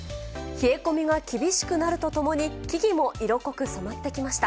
冷え込みが厳しくなるとともに、木々も色濃く染まってきました。